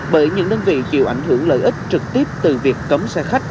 bởi những đơn vị chịu ảnh hưởng lợi ích trực tiếp từ việc cấm xe khách